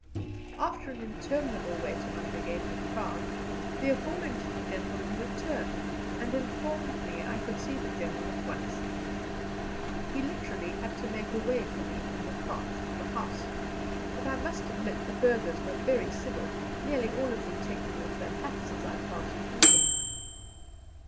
After an interminable wait among the gaping crowd, the aforementioned gentleman returned, and informed me I could see the General at once. He literally had to make a way for me from the cart to the house, but I must admit the burghers were very civil, nearly all of them taking off their hats as I passed through them.